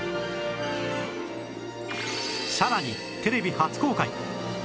さらにテレビ初公開！